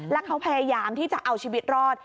แล้วเขาพยายามที่จะเอาชีวิตรอด